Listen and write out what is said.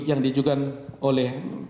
yang dijuga oleh